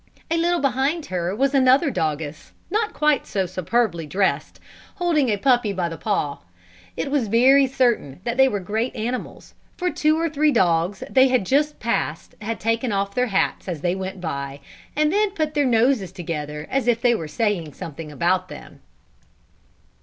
A little behind her was another doggess, not quite so superbly dressed, holding a puppy by the paw. It was very certain that they were great animals, for two or three dogs they had just passed had taken off their hats as they went by, and then put their noses together as if they were saying something about them.